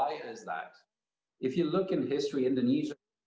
lebih rendah di asia dan indonesia